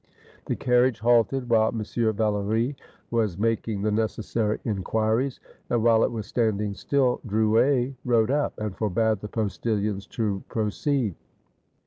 The carriage halted while M. Valory was making the necessary inquiries; and, while it was standing still, Drouet rode up, and forbade the postilions to proceed.